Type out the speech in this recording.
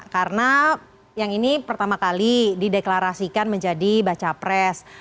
karena yang ini pertama kali dideklarasikan menjadi baca pres